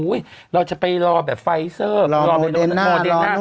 อุ๊ยเราจะไปรอแบบไฟเซอร์